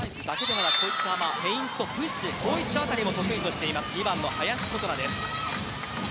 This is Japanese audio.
フェイント、プッシュそのあたりも得意としている２番の林琴奈です。